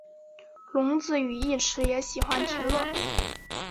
荣子与义持也喜欢田乐。